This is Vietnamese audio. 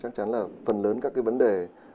chắc chắn là phần lớn các cái vấn đề